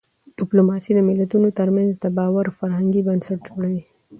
ډيپلوماسي د ملتونو ترمنځ د باور فرهنګي بنسټ جوړوي.